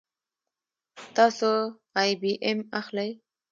تاسو آی بي ایم اخلئ